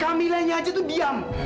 kamilanya aja tuh diam